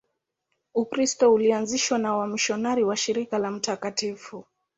Ukristo ulianzishwa na wamisionari wa Shirika la Mt.